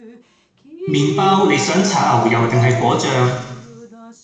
麵包你想搽牛油定係果醬？